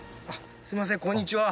すいませんこんにちは。